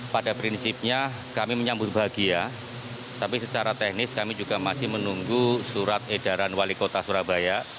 pada prinsipnya kami menyambut bahagia tapi secara teknis kami juga masih menunggu surat edaran wali kota surabaya